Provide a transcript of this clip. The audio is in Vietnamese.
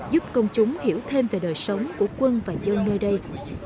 giúp công chúng hiểu thêm về đời sống của quân và dân nơi đây